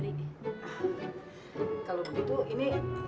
didiemin aja paling nanti juga sembuh sendiri